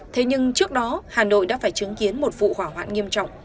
thế nhưng trước đó hà nội đã phải chứng kiến một vụ hỏa hoạn nghiêm trọng